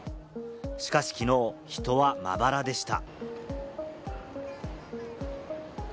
しかしきのう、人はまばらでした。